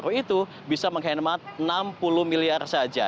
baru itu bisa menghemat enam puluh miliar saja